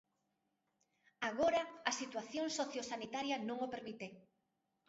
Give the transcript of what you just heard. Agora a situación sociosanitaria non o permite.